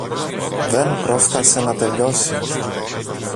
Δεν πρόφθασε να τελειώσει.